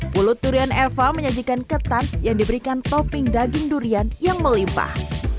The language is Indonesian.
pulut durian eva menyajikan ketan yang diberikan topping daging durian yang melimpah